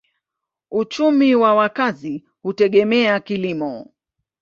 Uchumi ya wakazi hutegemea kilimo.